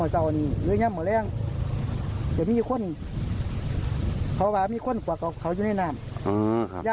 มีใจก็จะมีคนเพราะว่ามีคนกว่าของเขาอยู่ในน้ำอืมครับ